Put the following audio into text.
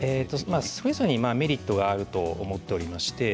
それぞれにメリットがあると思っていまして